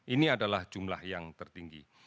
ini adalah jumlah yang tertinggi